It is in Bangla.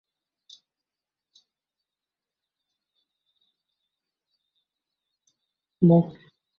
মুক্ত সোর্স সফটওয়্যার এর দর্শন এবং ইতিহাস সম্পর্কে জানতে ফ্রি সফটওয়্যার আন্দোলন এবং মুক্ত সোর্স উদ্যোগ নিবন্ধগুলি দেখুন।